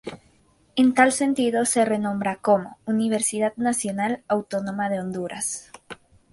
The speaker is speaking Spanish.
En tal sentido se renombra como: Universidad Nacional Autónoma de Honduras.